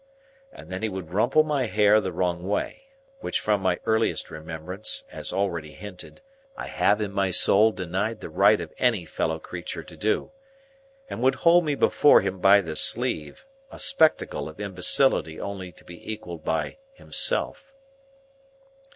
And then he would rumple my hair the wrong way,—which from my earliest remembrance, as already hinted, I have in my soul denied the right of any fellow creature to do,—and would hold me before him by the sleeve,—a spectacle of imbecility only to be equalled by himself.